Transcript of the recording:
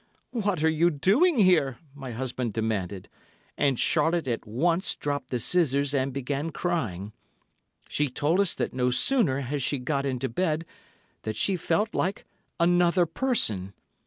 'What are you doing here?' my husband demanded, and Charlotte at once dropped the scissors and began crying. She told us that no sooner had she got into bed, than she felt like another person.